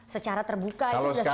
secara terbuka itu sudah cukup